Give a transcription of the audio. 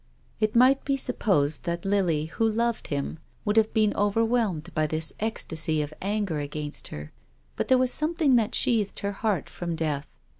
It might be supposed that Lily, who loved him, would have been overwhelmed by this ecstasy of anger against her. But there was something that sheathed her heart from death.